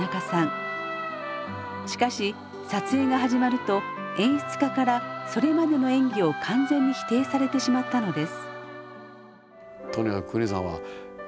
しかし撮影が始まると演出家からそれまでの演技を完全に否定されてしまったのです。